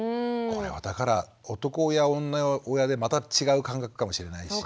これはだから男親女親でまた違う感覚かもしれないし。